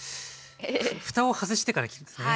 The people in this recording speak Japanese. ふたを外してから切りますね。